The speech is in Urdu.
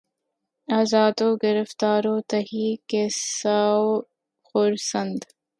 آزاد و گرفتار و تہی کیسہ و خورسند